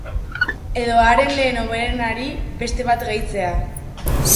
Edo are lehen hobenari beste bat gehitzea.